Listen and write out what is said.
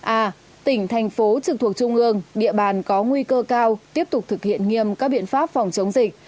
a tỉnh thành phố trực thuộc trung ương địa bàn có nguy cơ cao tiếp tục thực hiện nghiêm các biện pháp phòng chống dịch